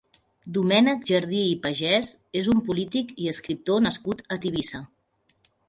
Domènec Jardí i Pagès és un polític i escriptor nascut a Tivissa.